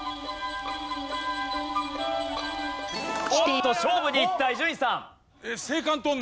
おっと勝負にいった伊集院さん。